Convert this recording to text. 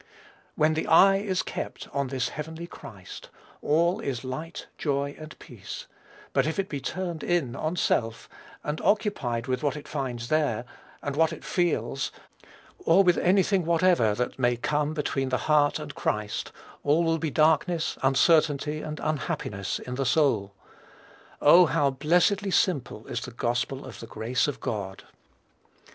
When the eye is kept on this heavenly Christ, all is light, joy, and peace; but if it be turned in on self, and occupied with what it finds there, and what it feels, or with any thing whatever that may come between the heart and Christ, all will be darkness, uncertainty, and unhappiness in the soul. Oh, how blessedly simple is the gospel of the grace of God!